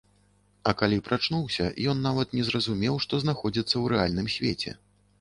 А калі прачнуўся, ён нават не зразумеў, што знаходзіцца ў рэальным свеце.